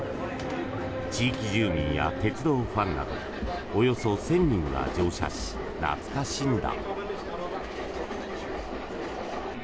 地域住民や鉄道ファンなどおよそ１０００人が乗車し懐かしんだ。